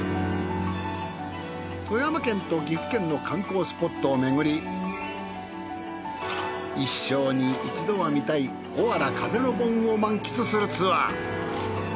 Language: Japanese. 富山県と岐阜県の観光スポットをめぐり一生に一度は見たいおわら風の盆を満喫するツアー。